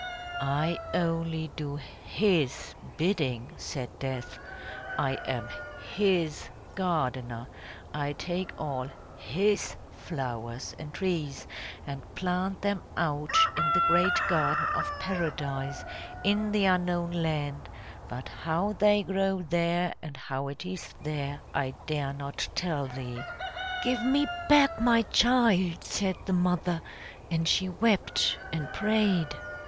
"I only do His bidding!" said Death. "I am His gardener, I take all His flowers and trees, and plant them out in the great garden of Paradise, in the unknown land; but how they grow there, and how it is there I dare not tell thee." "Give me back my child!" said the mother, and she wept and prayed.